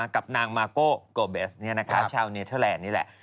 กับนางมาโกเบสชาวเนเทอร์แลนด์นี่แหละ